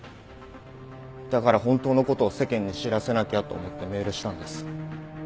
だから本当の事を世間に知らせなきゃと思ってメールしたんです。